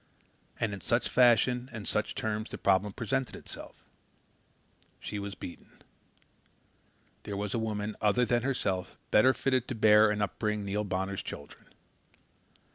And in such fashion and such terms the problem presented itself. She was beaten. There was a woman other than herself better fitted to bear and upbring Neil Bonner's children.